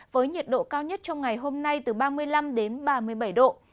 với nhiệt độ cao nhất trong ngày hôm nay từ ba mươi năm đến ba mươi bảy độ